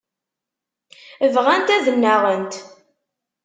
Bɣant ad nnaɣent.